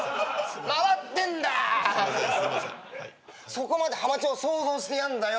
そこまでハマチを想像してやんだよ。